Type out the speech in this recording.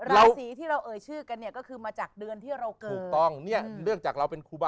ราศรีที่เราเอ่ยชื่อกันก็คือมาจากเดือนที่เราเกิด